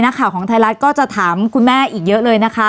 ข่าวของไทยรัฐก็จะถามคุณแม่อีกเยอะเลยนะคะ